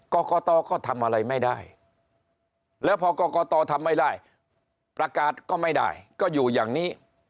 กรกตก็ทำอะไรไม่ได้แล้วพอกรกตทำไม่ได้ประกาศก็ไม่ได้ก็อยู่อย่างนี้